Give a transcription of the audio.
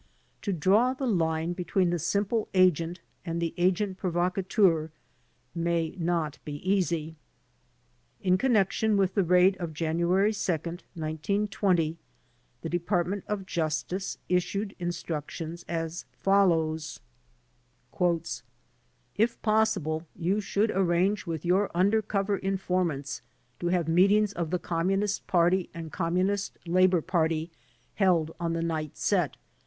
To draw the line between the simple agent and the agent provocateur may not be easy. In connec tion with the raid of January 2, 1920, the Department of Justice issued instructions as follows: v "If possible, you should arrange with your under cover in formants to have meetings of the Communist Party and HOW THE ARRESTS WERE MAPE 31 Communist Labor Party held on the night set.